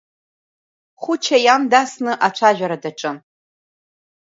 Хәыча иан дасны ацәажәара даҿын.